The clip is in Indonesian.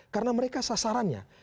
karena mereka sasarannya